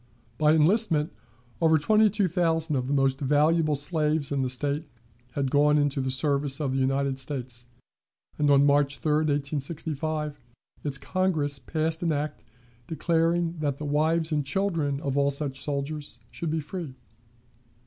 By enlistment, over twenty two thousand of the most valuable slaves in the State had gone into the service of the United States, and on March 3, 1865, its Congress passed an act declaring that the wives and children of all such soldiers should be free.